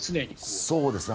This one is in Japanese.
そうですね。